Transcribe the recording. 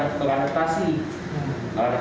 dan ternyata bistik makanan ini asalnya dari mana